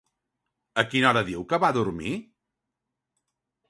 A quina hora diu que va a dormir?